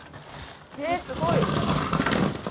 えすごい！